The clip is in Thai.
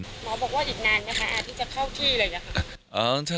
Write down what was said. หมอบอกว่าอีกนานนะคะอาทิตย์จะเข้าที่เลยหรือคะ